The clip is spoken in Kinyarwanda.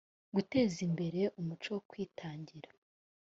guteza imbere umuco wo kwitangira